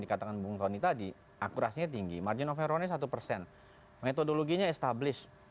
dikatakan bung tony tadi akurasinya tinggi margin of errornya satu persen metodologinya established